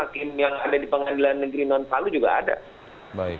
tim yang ada di pengadilan negeri non palu juga ada